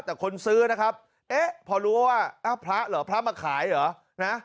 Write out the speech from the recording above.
แต่คนซื้อนะครับเอ๊ะพอรู้ว่าพระเหรอพระมาขายเหรอนะ